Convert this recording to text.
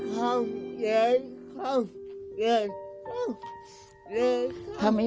ทำงานชื่อนางหยาดฝนภูมิสุขอายุ๕๔ปี